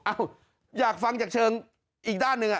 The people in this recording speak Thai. อ้าวอยากฟังจากเชิงอีกด้านนึง